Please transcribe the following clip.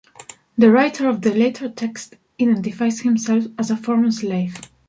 The writer of the later text identifies himself as a former slave.